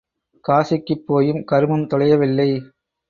காசிக்குப் போயும் கருமம் தொலையவில்லை